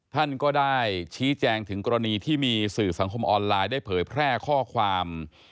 ท่านก็ได้ชี้แจงถึงกรณีที่มีสื่อสังคมออนไลน์ได้เผยแพร่ข้อความ